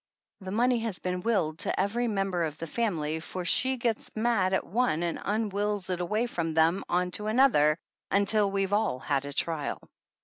The money has been willed to every member of the family, for she gets mad at one and unwills it away from them onto another, until we've all had a trial.